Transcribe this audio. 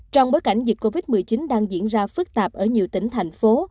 trong bối cảnh dịch covid một mươi chín đang diễn ra phức tạp ở nhiều tỉnh thành phố